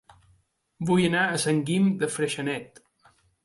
Vull anar a Sant Guim de Freixenet